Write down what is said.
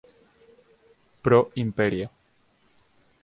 Pro Imperia.